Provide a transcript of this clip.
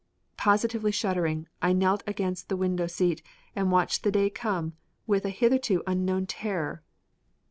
Positively shuddering, I knelt against the window seat and watched the day come with a hitherto unknown terror.